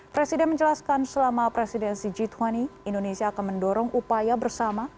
presiden menjelaskan selama presidensi g dua puluh indonesia akan mendorong upaya bersama